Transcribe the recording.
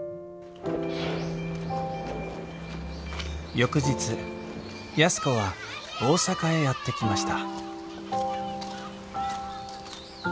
翌日安子は大阪へやって来ました